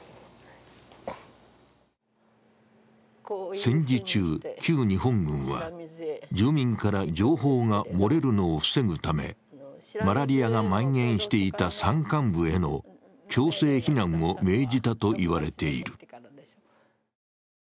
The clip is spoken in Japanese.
戦時中、旧日本軍は住民から情報が漏れるのを防ぐためマラリアがまん延していた山間部への強制避難を命じたと言われている。